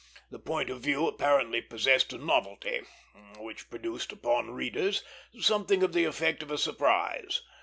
The point of view apparently possessed a novelty, which produced upon readers something of the effect of a surprise.